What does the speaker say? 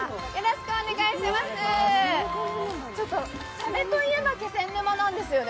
サメといえば気仙沼なんですよね。